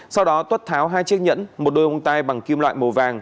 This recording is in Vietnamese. sau đó tuất tháo hai chiếc nhẫn một đôi mông tay bằng kim loại màu vàng